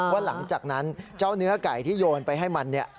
ว่าหลังจากนั้นเจ้าเนื้อไก่ที่โยนไปให้มันเนี่ย